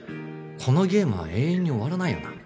このゲームは永遠に終わらないよな